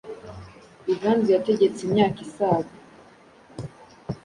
Ruganzu yategetse imyaka isaga